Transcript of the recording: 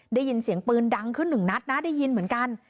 ได้ยินเสียงปืนดังขึ้นหนึ่งนัดนะได้ยินเหมือนกัน